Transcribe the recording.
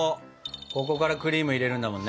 ここからクリーム入れるんだもんね。